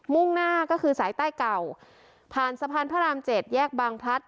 ่งหน้าก็คือสายใต้เก่าผ่านสะพานพระรามเจ็ดแยกบางพลัด